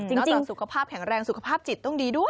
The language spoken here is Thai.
จริงสุขภาพแข็งแรงสุขภาพจิตต้องดีด้วย